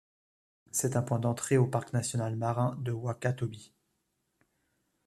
C'est un point d'entrée au parc national marin de Wakatobi.